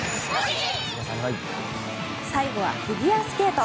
最後はフィギュアスケート。